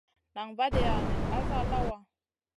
Nan vaadia nen asa lawa.